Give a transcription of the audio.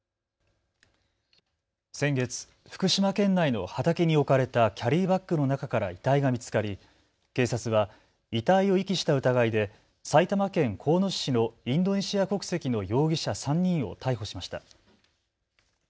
先月、福島県内の畑に置かれたキャリーバッグの中から遺体が見つかり警察は遺体を遺棄した疑いで埼玉県鴻巣市のインドネシア国籍の容疑者３人を逮捕しました。